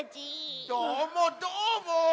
どーもどーも！